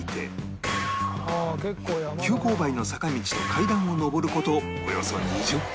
急勾配の坂道と階段を上る事およそ２０分